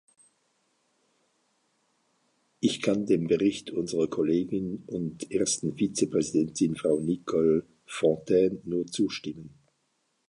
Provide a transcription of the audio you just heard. Ich kann dem Bericht unserer Kollegin und ersten Vizepräsidentin, Frau Nicole Fontaine, nur zustimmen.